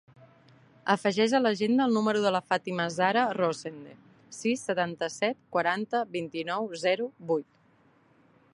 Afegeix a l'agenda el número de la Fàtima zahra Rosende: sis, setanta-set, quaranta, vint-i-nou, zero, vuit.